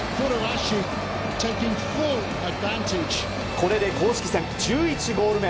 これで公式戦１１ゴール目。